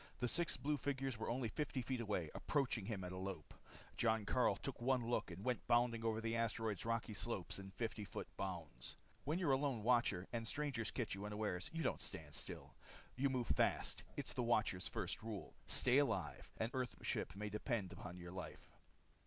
The six blue figures were only fifty feet away, approaching him at a lope. Jon Karyl took one look and went bounding over the asteroid's rocky slopes in fifty foot bounds. When you're a Lone Watcher, and strangers catch you unawares, you don't stand still. You move fast. It's the Watcher's first rule. Stay alive. An Earthship may depend upon your life.